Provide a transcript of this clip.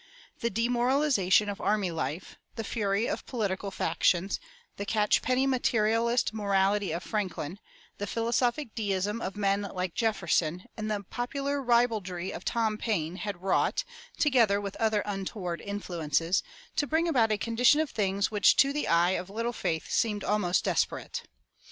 The demoralization of army life, the fury of political factions, the catchpenny materialist morality of Franklin, the philosophic deism of men like Jefferson, and the popular ribaldry of Tom Paine, had wrought, together with other untoward influences, to bring about a condition of things which to the eye of little faith seemed almost desperate.